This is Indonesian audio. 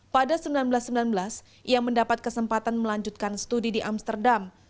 pada seribu sembilan ratus sembilan belas ia mendapat kesempatan melanjutkan studi di amsterdam